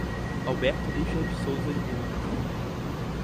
Alberto Richard Souza de Lima